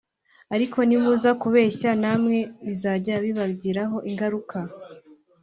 ariko nimuza kubeshya namwe bizajya bibagiraho ingaruka